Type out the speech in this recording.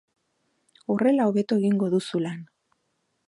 Horrela hobeto egingo duzu lan.